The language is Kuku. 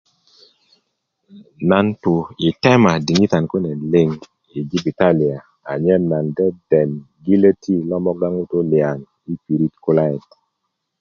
nan tu i tema diŋitan kune liŋ i jibitalia anyen nan deden gilöti lo moga ŋutu liyan i pirit kulayet